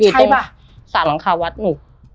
อยู่ตรงสารหลังคาวัดหนู